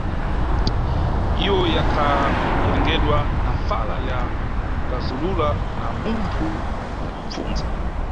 Iyo yakhawerengedwa na fala la kuzalula na munthu nyakupfunza.